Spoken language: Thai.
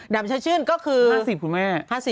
ดังระชาชื่นก็คือ๕๐บาทคุณแม่